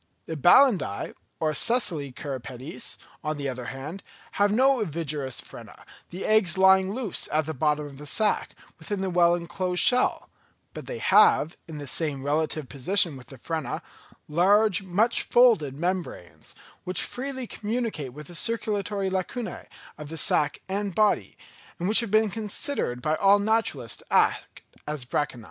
The Balanidæ or sessile cirripedes, on the other hand, have no ovigerous frena, the eggs lying loose at the bottom of the sack, within the well enclosed shell; but they have, in the same relative position with the frena, large, much folded membranes, which freely communicate with the circulatory lacunæ of the sack and body, and which have been considered by all naturalists to act as branchiæ.